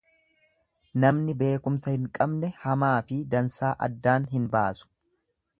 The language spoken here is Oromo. Namni beekumsa hin qabne hamaafi dansaa addaan hin baasu.